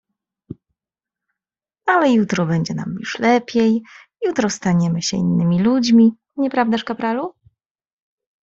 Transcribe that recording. "Ale jutro będzie nam już lepiej; jutro staniemy się innymi ludźmi, nieprawdaż kapralu?"